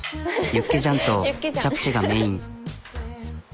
ユッケジャンとチャプチェがメイン。